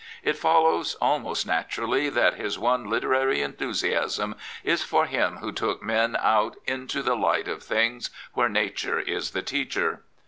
It follows almost naturally that his one literary enthusiasm is for him who took men out " into the light of things, where Nature is the teacher.